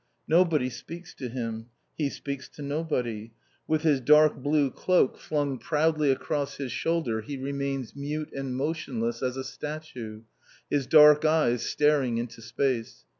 Nobody speaks to him. He speaks to nobody. With his dark blue cloak flung proudly across his shoulder he remains mute and motionless as a statue, his dark eyes staring into space.